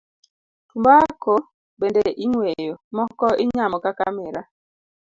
Tumbako bende ing'weyo, moko inyamo kaka miraa.